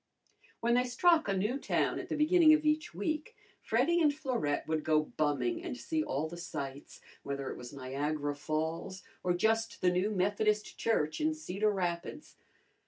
When they struck a new town at the beginning of each week Freddy and Florette would go bumming and see all the sights, whether it was Niagara Falls or just the new Methodist Church in Cedar Rapids.